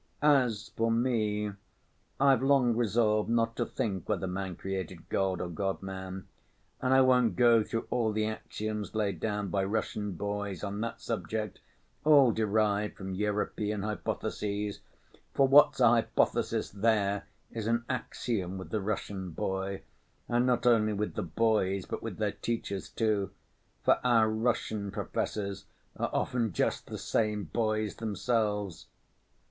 As for me, I've long resolved not to think whether man created God or God man. And I won't go through all the axioms laid down by Russian boys on that subject, all derived from European hypotheses; for what's a hypothesis there, is an axiom with the Russian boy, and not only with the boys but with their teachers too, for our Russian professors are often just the same boys themselves.